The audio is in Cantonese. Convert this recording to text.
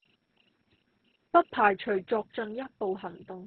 不排除作進一步行動